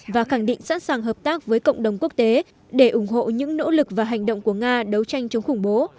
và khẳng định sẵn sàng hợp tác với cộng đồng quốc tế để ủng hộ những nỗ lực và hành động của nga đấu tranh chống khủng bố